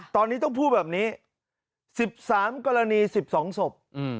ตอนนี้ต้องพูดแบบนี้๑๓กรณี๑๒ศพ